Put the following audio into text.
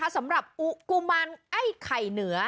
สำหรับกุมารไอ้ไข่เหนือ